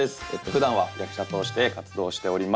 ふだんは役者として活動しております。